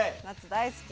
大好き？